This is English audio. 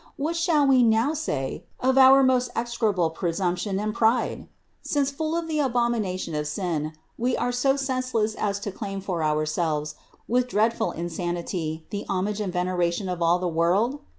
What shall we now say of our most execrable presumption and pride? Since, full of the abomination of sin, we are so sense less as to claim for ourselves with dreadful insanity the homage and veneration of all the world?